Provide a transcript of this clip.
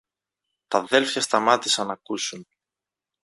Τ' αδέλφια σταμάτησαν ν' ακούσουν.